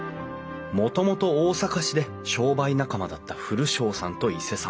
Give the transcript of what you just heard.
もともと大阪市で商売仲間だった古荘さんと伊勢さん。